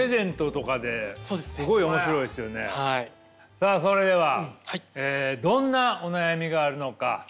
さあそれではどんなお悩みがあるのか。